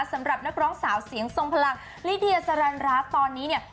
สำหรับนักร้องสาวเสียงทรงพลังลิเดียสรรรัสตอนนี้เนี่ย